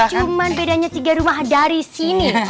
cuma bedanya tiga rumah dari sini